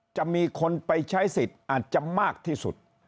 จะมีคนไปใช้สิทธิ์อาจจะมากที่สุด